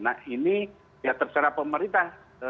nah ini ya terserah pemerintah